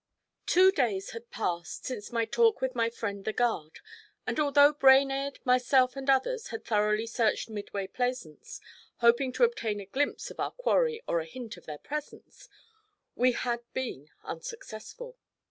Two days had passed since my talk with my friend the guard, and although Brainerd, myself, and others had thoroughly searched Midway Plaisance, hoping to obtain a glimpse of our quarry or a hint of their presence, we had been unsuccessful.